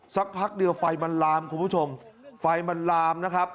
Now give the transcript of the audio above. สักพักเดียวไฟมันลามคุณผู้ชมไฟมันลามนะครับ